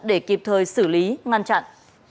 để kịp thời xử lý ngăn chặn